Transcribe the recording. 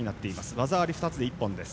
技あり２つで一本です。